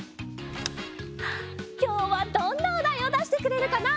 きょうはどんなおだいをだしてくれるかな？